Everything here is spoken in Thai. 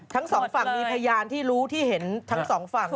ทั้งสองฝั่งมีพยานที่รู้ที่เห็นทั้งสองฝั่ง